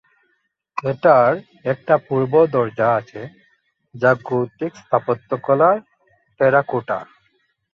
এটার একটা পূর্ব দরজা আছে যা গোথিক স্থাপত্যকলার টেরাকোটা।